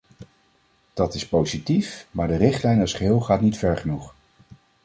Dat is positief, maar de richtlijn als geheel gaat niet ver genoeg.